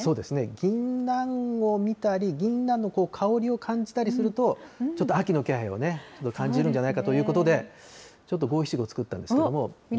ぎんなんを見たり、ぎんなんの香りを感じたりすると、ちょっと秋の気配を感じるんじゃないかということで、ちょっと五七五作ったんですけども。